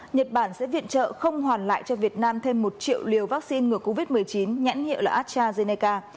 nhật bản sẽ viện trợ không hoàn lại cho việt nam thêm một triệu liều vaccine ngừa covid một mươi chín nhãn hiệu là astrazeneca